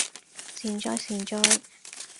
善哉善哉